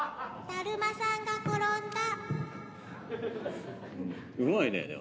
だるまさんがころんだ。